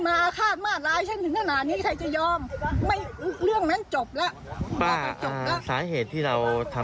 ศักดิ์ศรีไงคุณศักดิ์ศรีคน